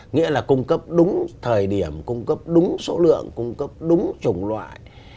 nghĩa là cung cấp đúng thời điểm cung cấp đúng số lượng cung cấp đúng chủng loại